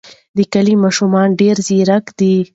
د کلي ماشومان ډېر ځیرک دي.